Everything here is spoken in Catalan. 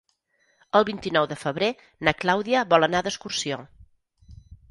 El vint-i-nou de febrer na Clàudia vol anar d'excursió.